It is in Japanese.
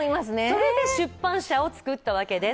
それで出版社を作ったわけです。